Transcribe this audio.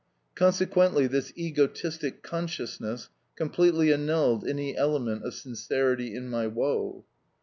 Consequently this egotistic consciousness completely annulled any element of sincerity in my woe.